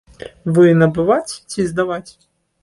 Вы набываць ці здаваць?